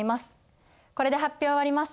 これで発表を終わります。